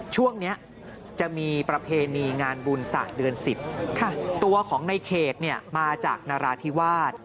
ช่วงนี้จะมีประเพณีงานบุญศาสตร์เดือน๑๐ตัวของในเขตมาจากนราธิวาส